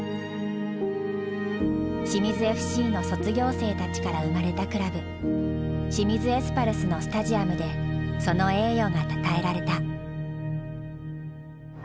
清水ＦＣの卒業生たちから生まれたクラブ清水エスパルスのスタジアムでその栄誉がたたえられた。